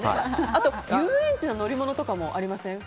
あと遊園地の乗り物とかもありません？